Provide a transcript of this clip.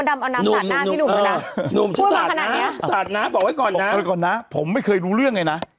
เดี๋ยวก่อนนะผมไม่เคยรู้เรื่องไงนะ